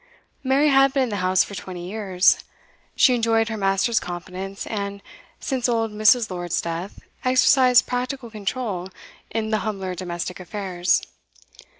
Mary had been in the house for twenty years; she enjoyed her master's confidence, and, since old Mrs. Lord's death, exercised practical control in the humbler domestic affairs.